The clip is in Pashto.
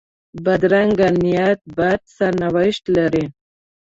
بدرنګه نیت بد سرنوشت لري